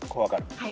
はい。